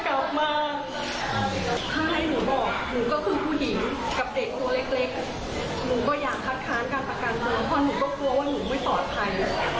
เพราะมึงก็กลัวว่ามึงไม่สอดภัย